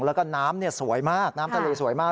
แล้วก็น้ำสวยมากน้ำทะเลสวยมาก